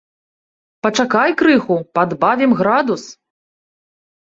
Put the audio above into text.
Пачакай крыху, падбавім градус.